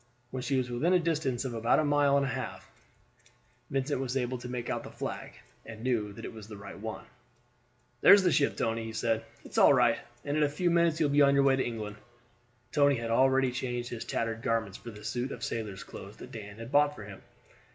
When she was within a distance of about a mile and a half Vincent was able to make out the flag, and knew that it was the right one. "There's the ship, Tony," he said; "it is all right, and in a few minutes you will be on your way to England." Tony had already changed his tattered garments for the suit of sailor's clothes that Dan had bought for him.